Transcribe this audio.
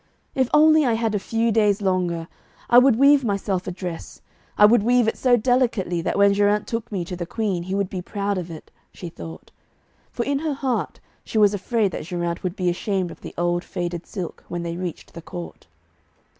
'If only I had a few days longer, I would weave myself a dress. I would weave it so delicately that when Geraint took me to the Queen, he would be proud of it,' she thought. For in her heart she was afraid that Geraint would be ashamed of the old faded silk, when they reached the court.